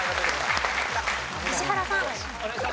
石原さん。